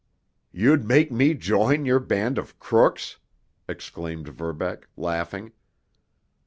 "You'd make me join your band of crooks!" exclaimed Verbeck, laughing.